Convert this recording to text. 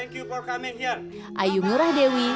kita adalah buleleng bali